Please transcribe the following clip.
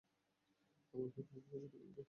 আমার মা তোমাকে পছন্দ করে না।